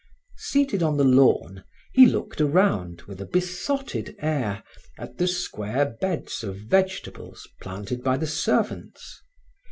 Seated on the lawn, he looked around with a besotted air at the square beds of vegetables planted by the servants.